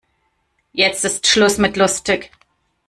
Jetzt ist Schluss mit lustig.